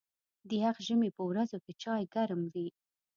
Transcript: د یخ ژمي په ورځو کې چای ګرم وي.